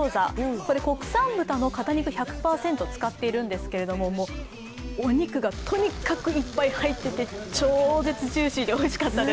これ国産豚の肩肉１００％を使っているんですけれども、お肉がとにかくいっぱい入ってて超絶ジューシーでおいしかったです。